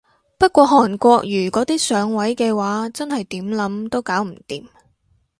不過韓國瑜嗰啲上位嘅話真係點諗都搞唔掂